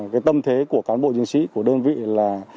cái tâm thế của cán bộ chiến sĩ của đơn vị là